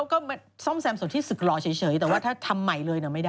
มันก็ซ่อมแซมส่วนที่สึกหล่อเฉยแต่ว่าถ้าทำใหม่เลยเนี่ยไม่ได้